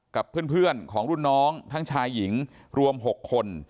กับเพื่อนของรุ่นน้องทั้งชายหญิงรวม๖คน